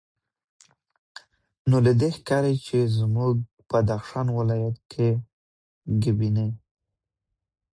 نو له دې ښکاري چې زموږ بدخشان ولایت کې ګبیني